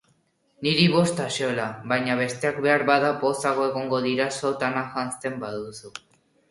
Niri bost axola, baina besteak beharbada pozago egongo dira sotana janzten baduzu.